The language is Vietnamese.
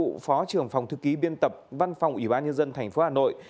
cựu phó trưởng phòng thư ký biên tập văn phòng ủy ban nhân dân tp hà nội